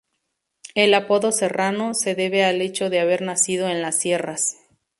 El apodo Serrano, se debe al hecho de haber nacido en las sierras.